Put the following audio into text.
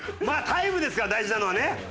まあタイムですから大事なのはね。